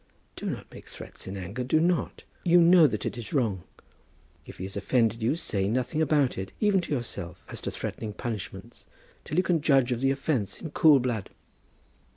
"Do not make threats in anger. Do not! You know that it is wrong. If he has offended you, say nothing about it, even to yourself, as to threatened punishments, till you can judge of the offence in cool blood."